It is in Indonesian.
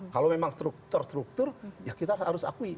kalau memang struktur struktur ya kita harus akui